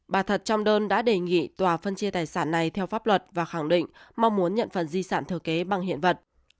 bà thật trong đơn đã đề nghị tòa phân chia tài sản này theo pháp luật và khẳng định mong muốn nhận phần di sản thừa kế bằng hiện vật